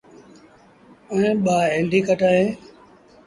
ائيٚݩ ٻآ اينڊيٚڪٽ اهيݩ۔